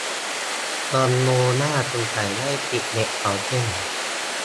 คอนโดหน้าสงสัยได้ติดเน็ตสองเส้น